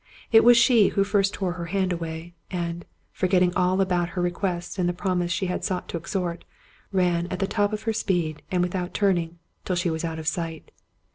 It was she who first tore her hand away, and, forgetting all about her re quest and the promise she had sought to extort, ran at the top of her speed, and without turning, till she was out of sight.